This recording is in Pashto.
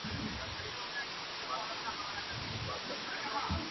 o د پيشي غول دارو سوه، پيشي په خاورو کي پټ کړه٫